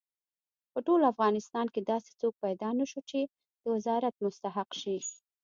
په ټول افغانستان کې داسې څوک پیدا نه شو چې د وزارت مستحق شي.